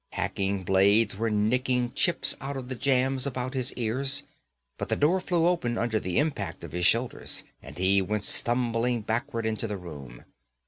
Hacking blades were nicking chips out of the jambs about his ears, but the door flew open under the impact of his shoulders, and he went stumbling backward into the room.